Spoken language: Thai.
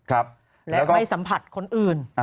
และไม่สัมผัสคนอื่น